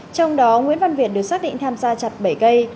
trong đó nguyễn văn việt được xác định tham gia chặt bảy cây